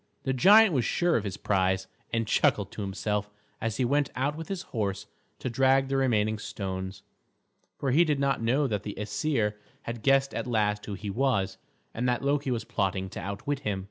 The giant was sure of his prize, and chuckled to himself as he went out with his horse to drag the remaining stones; for he did not know that the Æsir had guessed at last who he was, and that Loki was plotting to outwit him.